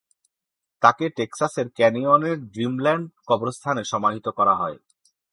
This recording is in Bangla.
তাকে টেক্সাসের ক্যানিয়নের ড্রিমল্যান্ড কবরস্থানে সমাহিত করা হয়।